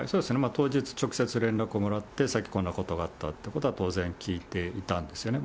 当日、直接連絡をもらって、さっきこんなことがあったということは、当然聞いていたんですよね。